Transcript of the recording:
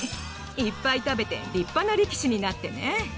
いっぱい食べて立派な力士になってね。